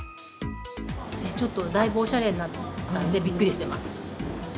ちょっとだいぶおしゃれになったんで、びっくりしてます。